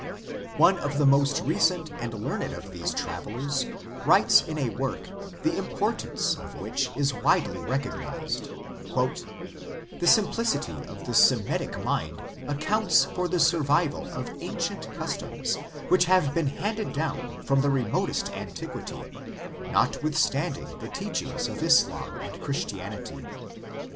One of the most recent and learned of these travellers writes in a work the importance of which is widely recognized :" The simplicity of the Semitic mind accounts for the survival of ancient customs which have been handed down from the remotest antiquity, notwith standing the teachings of Islam and Christianity.